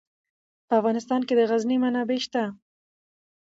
په افغانستان کې د غزني منابع شته.